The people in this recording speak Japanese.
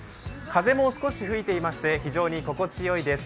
風も少し吹いていまして非常に心地よいです。